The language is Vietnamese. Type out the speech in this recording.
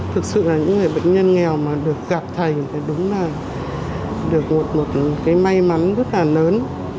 thực sự là những người bệnh nhân nghèo mà được gặp thầy thì đúng là được một cái may mắn rất là lớn